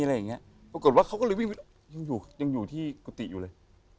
รวบกดว่าเขาก็เลยวิ่งวิ่งยังอยู่ที่กุฏิอยู่เลย